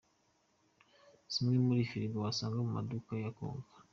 Zimwe muri Frigo wasanga mu maduka ya Konka.